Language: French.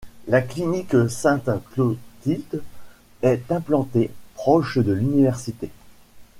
La Clinique Sainte-Clotilde est implantée proche de l'université.